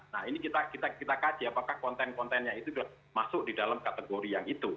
nah ini kita kaji apakah konten kontennya itu sudah masuk di dalam kategori yang itu